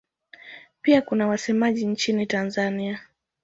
Pia kuna wasemaji nchini Tanzania.